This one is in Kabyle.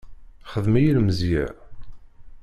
Xdem-iyi lemzeyya.